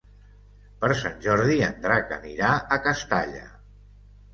Per Sant Jordi en Drac anirà a Castalla.